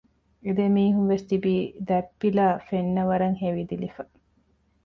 އޭރު ދެމީހުންވެސް ތިބީ ދަތްޕިލާ ފެންނަވަރަށް ހެވިދިލިފަ